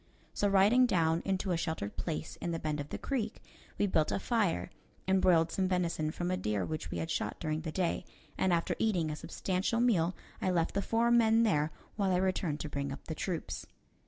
So riding down into a sheltered place in the bend of the creek, we built a fire and broiled some venison from a deer which we had shot during the day, and after eating a substantial meal, I left the four men there while I returned to bring up the troops.